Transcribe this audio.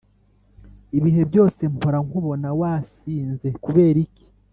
ibihe byose mpora nkubona wasinze kuberiki